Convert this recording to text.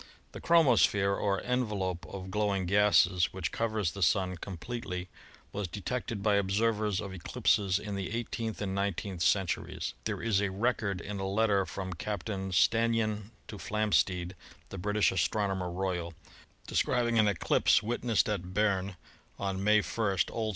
The chromosphere or envelope of glowing gases which covers the Sun completely was detected by observers of eclipses in the eighteenth and nineteenth centuries. There is a record in a letter from Captain Stannyan to Flamsteed, the British Astronomer Royal, describing an eclipse wit nessed at Berne on May 1 (O. S.)